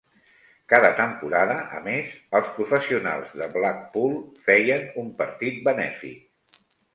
Cada temporada, a més, els professionals de Blackpool feien un partit benèfic.